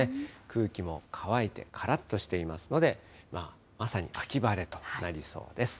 空気も乾いてからっとしていますので、まさに秋晴れとなりそうです。